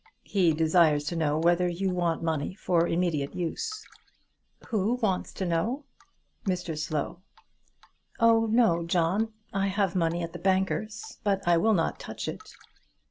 "He desires to know whether you want money for immediate use." "Who wants to know?" "Mr Slow." "Oh no, John. I have money at the bankers', but I will not touch it."